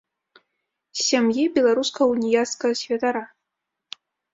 З сям'і беларускага уніяцкага святара.